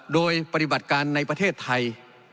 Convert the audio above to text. โดยปฏิบัติการในประเทศไทย